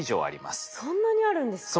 そんなにあるんですか？